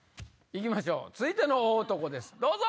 いきましょう続いての大男ですどうぞ！